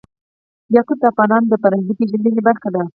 یاقوت د افغانانو د فرهنګي پیژندنې برخه ده.